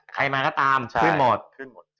ใครมาก็ตามขึ้นหมด